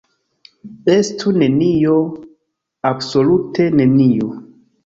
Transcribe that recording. Estu nenio, absolute nenio!